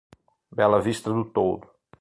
Bela Vista do Toldo